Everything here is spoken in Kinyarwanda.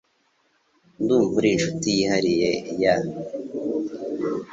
Ndumva uri inshuti yihariye ya .